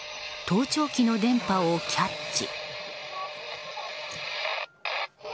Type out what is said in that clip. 盗聴器の電波をキャッチ。